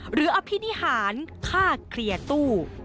อภินิหารค่าเคลียร์ตู้